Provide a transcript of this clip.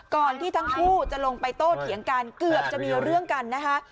ก่อนที่ทั้งคู่จะลงไปโต้เถียงกันเกือบจะมีเรื่องกันนะคะ